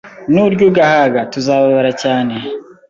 Nurya ugahaga tuzababara cyane